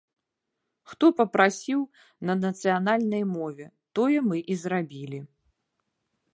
Хто папрасіў на нацыянальнай мове, тое мы і зрабілі.